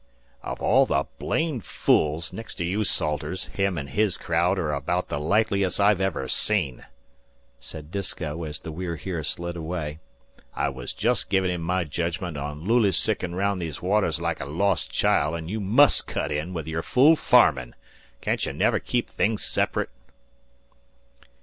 "Of all the blamed fools, next to you, Salters, him an' his crowd are abaout the likeliest I've ever seen," said Disko as the We're Here slid away. "I was jest givin' him my jedgment on lullsikin' round these waters like a lost child, an' you must cut in with your fool farmin'. Can't ye never keep things sep'rate?"